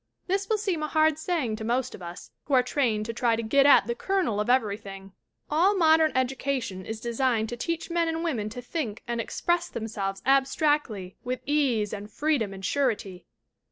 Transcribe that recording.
This will seem a hard saying to most of us, who are trained to try to get at the kernel of everything. All modern education is designed to teach men and women to think and express themselves abstractly with ease and freedom and surety.